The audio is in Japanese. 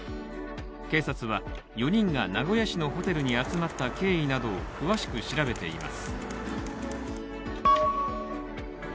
警察は４人が名古屋市のホテルに集まった経緯などを詳しく調べています。